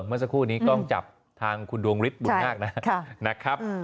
เมื่อสักครู่นี้กล้องจับทางคุณดวงฤทธิบุญมากนะครับ